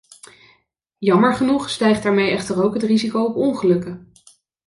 Jammer genoeg stijgt daarmee echter ook het risico op ongelukken.